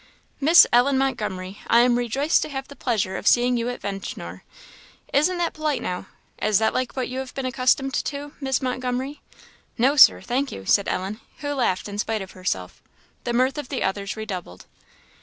"Miss Ellen Montgomery, I am rejoiced to have the pleasure of seeing you at Ventnor. Isn't that polite, now? Is that like what you have been accustomed to, Miss Montgomery?" "No, Sir thank you," said Ellen, who laughed in spite of herself. The mirth of the others redoubled.